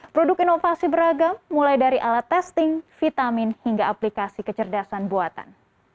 produk inovasi beragam mulai dari alat testing vitamin hingga aplikasi kecerdasan buatan